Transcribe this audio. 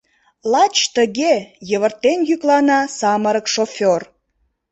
— Лач тыге! — йывыртен йӱклана самырык шофёр.